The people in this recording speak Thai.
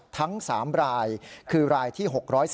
ทั้ง๓รายคือรายที่๖๔